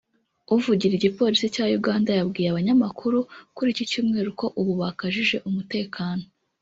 uvugira igipolisi cya Uganda yabwiye abanyamakuru kuri iki Cyumweru ko ubu bakajije umutekano